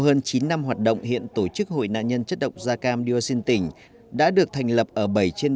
hơn chín năm hoạt động hiện tổ chức hội nạn nhân chất độc da cam dioxin tỉnh đã được thành lập ở bảy trên